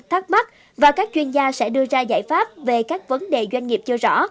thắc mắc và các chuyên gia sẽ đưa ra giải pháp về các vấn đề doanh nghiệp chưa rõ